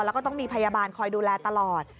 แล้วก็ต้องมีพยาบาลคอยดูแลตลอด